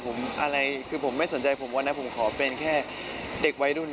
ผมอะไรคือผมไม่สนใจผมวันนั้นผมขอเป็นแค่เด็กวัยรุ่น